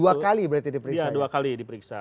dua kali berarti diperiksa dua kali diperiksa